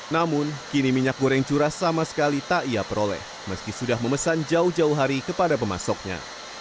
namun kini minyak goreng curah sama sekali tak ia peroleh meski sudah memesan jauh jauh hari kepada pemasoknya